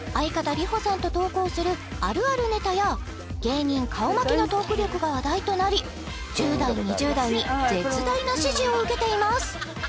ＲＩＨＯさんと投稿するあるあるネタや芸人顔負けのトーク力が話題となり１０代２０代に絶大な支持を受けています